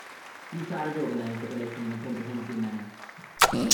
He started to organize the collection in a comprehensive manner.